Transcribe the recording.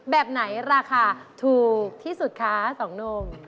แบบไหนราคาถูกที่สุดคะสองนม